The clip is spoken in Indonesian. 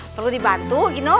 perlu dibantu gino